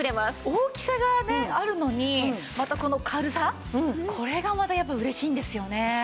大きさがあるのにまたこの軽さこれがまたやっぱ嬉しいんですよね。